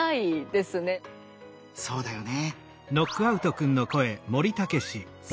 そうだよね。